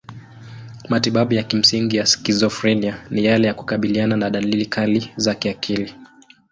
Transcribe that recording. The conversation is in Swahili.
Matibabu ya kimsingi ya skizofrenia ni yale ya kukabiliana na dalili kali za kiakili.